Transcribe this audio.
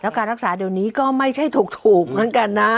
การรักษาเดี๋ยวนี้ก็ไม่ใช่ถูกเหมือนกันนะ